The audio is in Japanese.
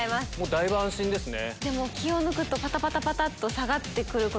だいぶ安心ですね。